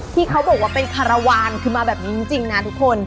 ที่เขาบอกว่าเป็นคารวาลคือมาแบบนี้จริงนะทุกคน